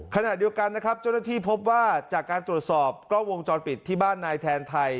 ขณะเดียวกันนะครับเจ้าหน้าที่พบว่าจากการตรวจสอบกล้องวงจรปิดที่บ้านนายแทนไทย